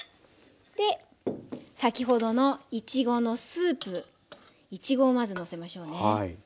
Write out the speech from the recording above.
先ほどのいちごのスープいちごをまずのせましょうね。